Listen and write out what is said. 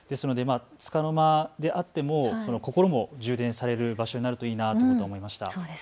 つかの間であっても心も充電される場所になるといいなと思いました。